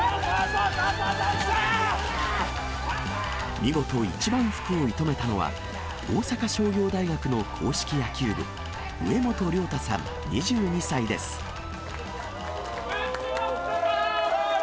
見事、一番福を射止めたのは、大阪商業大学の硬式野球部、植本亮太さん福男！